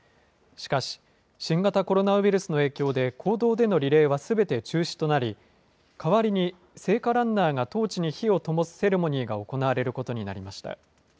しかし、新型コロナウイルスの影響で公道でのリレーはすべて中止となり、代わりに聖火ランナーがトーチに火をともすセレモニーが行われることになりました。